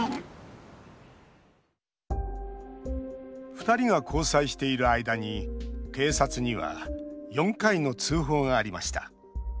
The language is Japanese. ２人が交際している間に警察には４回の通報がありました。